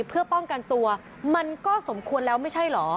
เพื่อป้องกันตัวมันก็สมควรแล้วไม่ใช่เหรอ